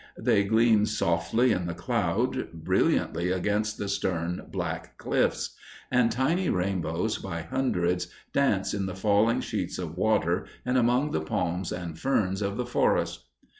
They gleam softly in the cloud, brilliantly against the stern black cliffs; and tiny rainbows by hundreds dance in the falling sheets of water and among the palms and ferns of the forest.